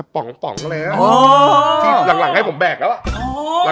ป่องป่องอะไรน่ะ